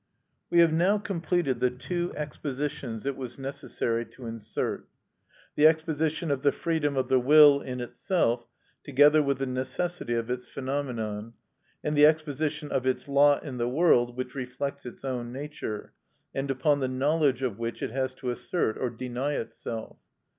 We have now completed the two expositions it was necessary to insert; the exposition of the freedom of the will in itself together with the necessity of its phenomenon, and the exposition of its lot in the world which reflects its own nature, and upon the knowledge of which it has to assert or deny itself.